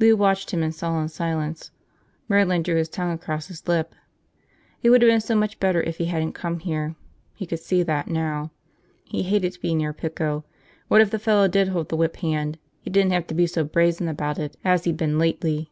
Lou watched him in sullen silence. Merlin drew his tongue across his lips. It would have been so much better if he hadn't come here, he could see that now. He hated to be near Pico. What if the fellow did hold the whip hand, he didn't have to be so brazen about it as he'd been lately.